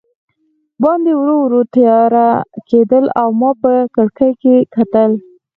باندې ورو ورو تیاره کېدل او ما په کړکۍ کې کتل.